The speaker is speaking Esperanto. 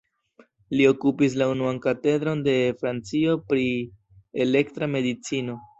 Li okupis la unuan katedron de Francio pri elektra medicino.